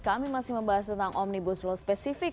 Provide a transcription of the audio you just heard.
kami masih membahas tentang omnibus law spesifik